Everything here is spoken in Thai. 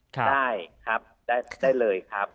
ได้ครับได้เลยครับ